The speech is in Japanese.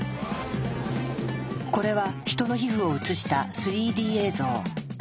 これはヒトの皮膚を映した３Ｄ映像。